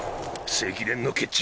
積年の決着